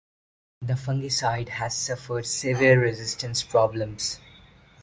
The fungicide has suffered severe resistance problems.